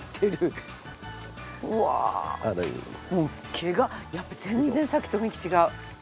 毛がやっぱ全然さっきと雰囲気違う。